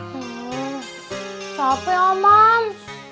hmm capek ah mam